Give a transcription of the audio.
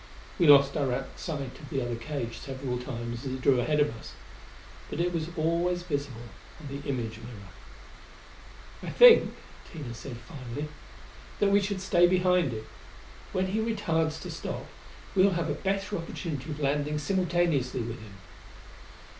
We lost direct sight of the other cage several times as it drew ahead of us. But it was always visible on the image mirror. "I think," Tina said finally, "that we should stay behind it. When he retards to stop, we will have a better opportunity of landing simultaneously with him."